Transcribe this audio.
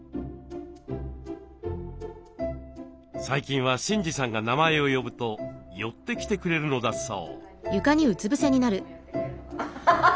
最近は慎司さんが名前を呼ぶと寄ってきてくれるのだそう。